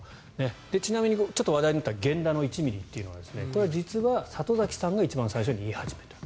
ちなみに話題になった源田の１ｍｍというのはこれは実は、里崎さんが一番最初に言い始めた。